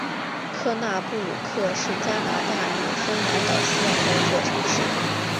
科纳布鲁克是加拿大纽芬兰岛西岸的一座城市。